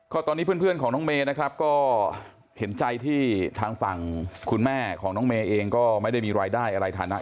ก็ตอนนี้เพื่อนของน้องเมย์นะครับก็เห็นใจที่ทางฝั่งคุณแม่ของน้องเมย์เองก็ไม่ได้มีรายได้อะไรฐานะ